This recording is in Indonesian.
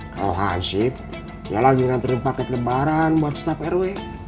kalau hansip ya lagi ngantriin paket lebaran buat staff rw